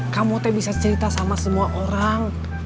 kamu tuh bisa cerita sama semua orang